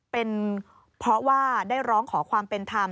เป็นเพราะว่าได้ร้องขอความเป็นธรรม